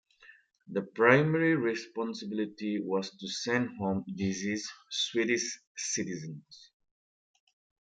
The primarily responsibility was to send home deceased Swedish citizens.